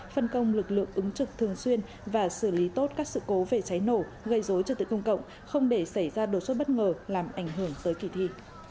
phân công lực lượng ứng trực thường xuyên và xử lý tốt các sự cố về cháy nổ gây dối trật tự công cộng không để xảy ra đột xuất bất ngờ làm ảnh hưởng tới kỳ thi